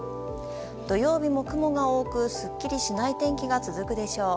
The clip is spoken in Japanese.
土曜日も雲が多くすっきりしない天気が続くでしょう。